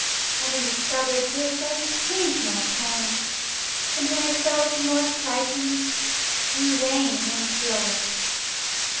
Having discovered this, I changed my plan, and when I felt more frightened, drew rein and went slower.